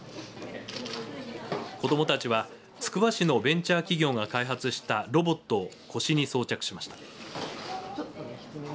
子どもたちは、つくば市のベンチャー企業が開発したロボットを腰に装着しました。